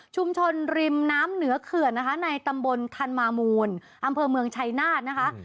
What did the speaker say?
ริมน้ำเหนือเขื่อนนะคะในตำบลธันมามูลอำเภอเมืองชัยนาธนะคะ